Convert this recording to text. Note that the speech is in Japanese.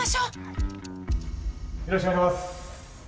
よろしくお願いします。